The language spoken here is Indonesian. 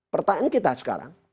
pertanyaan kita sekarang